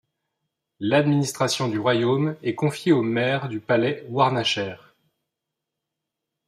L'administration du royaume est confiée au maire du palais Warnachaire.